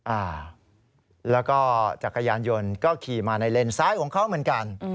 อ่าแล้วก็จักรยานยนต์ก็ขี่มาในเลนซ้ายของเขาเหมือนกัน